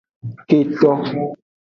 Keto.